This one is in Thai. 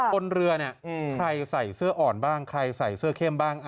บนเรือเนี่ยใครใส่เสื้ออ่อนบ้างใครใส่เสื้อเข้มบ้าง